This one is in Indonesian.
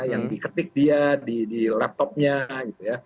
yang diketik dia di laptopnya gitu ya